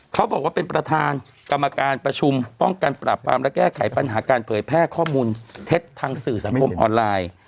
เขาบอกว่าเป็นประธานกรรมการประชุมป้องกันปราบปรามและแก้ไขปัญหาการเผยแพร่ข้อมูลเท็จทางสื่อสังคมออนไลน์